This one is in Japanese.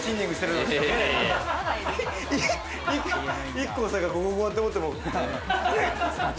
ＩＫＫＯさんがここ、こうやって。